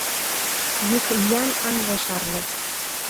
Йӱк-йӱан ынже шарле.